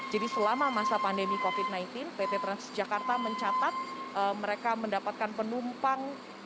jadi selama masa pandemi covid sembilan belas pt transjakarta mencatat mereka mendapatkan penumpang